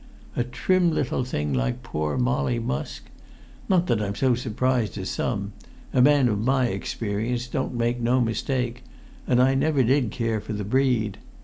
A trim little thing like poor Molly Musk! Not that I'm so surprised as some; a man of my experience don't make no mistake, and I never did care for the breed.